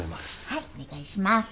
はいお願いします。